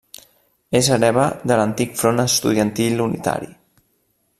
És hereva de l'antic Front Estudiantil Unitari.